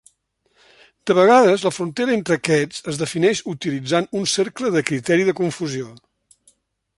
De vegades la frontera entre aquests es defineix utilitzant un cercle de criteri de confusió.